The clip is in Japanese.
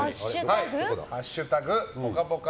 ぽかぽか